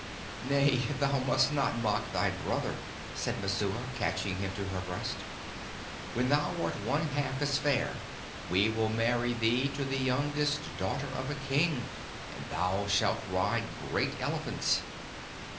"Nay, thou must not mock thy brother," said Messua, catching him to her breast. "When thou art one half as fair we will marry thee to the youngest daughter of a king, and thou shalt ride great elephants."